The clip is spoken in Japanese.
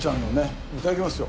いただきます。